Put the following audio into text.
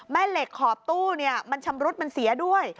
แม่เหล็กขอบตู้มันชำรุดมันเสียด้วย